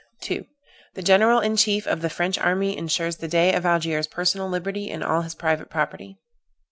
"2. The general in chief of the French army ensures the Dey of Algiers personal liberty, and all his private property.